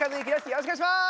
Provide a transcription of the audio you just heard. よろしくお願いします！